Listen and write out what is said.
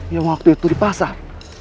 yang waktu itu di pasar